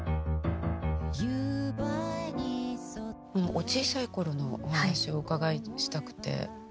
お小さい頃のお話をお伺いしたくて。